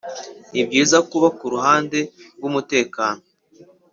nibyiza kuba kuruhande rwumutekano